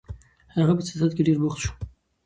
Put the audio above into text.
هغه په سیاست کې ډېر بوخت شو.